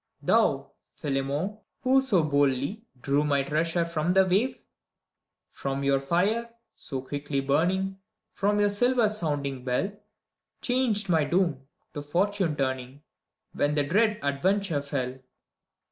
Thou, Philemon, who so boldly Drew my treasure from the wavef From your fire, so quickly burning, From your silver sounding bell. Changed my doom, to fortune turning, When the dread adventure fell.